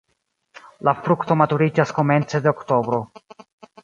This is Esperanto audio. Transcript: La frukto maturiĝas komence de oktobro.